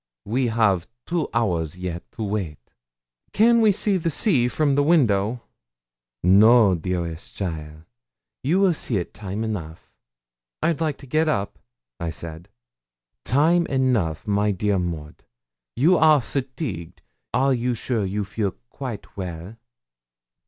We have two hours yet to wait.' 'Can we see the sea from the window?' 'No, dearest cheaile; you will see't time enough.' 'I'd like to get up,' I said. 'Time enough, my dear Maud; you are fatigued; are you sure you feel quite well?'